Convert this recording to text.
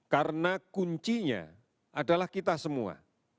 karena kuncinya adalah kita semua